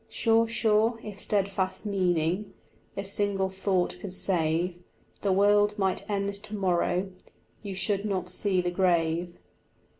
Sure, sure, if stedfast meaning, If single thought could save, The world might end to morrow, You should not see the grave.